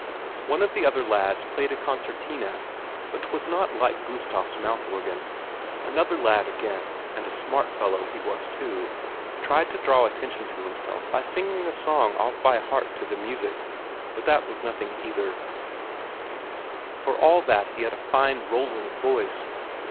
One of the other lads played a concertina, but 'twas not like Gustaf's mouth organ; another lad again, and a smart fellow he was too, tried to draw attention to himself by singing a song off by heart to the music, but that was nothing either, for all that he had a fine rolling voice.